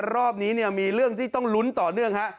รอบนี้เนี่ยมีเรื่องที่ต้องลุ้นต่อเนื่องฮะ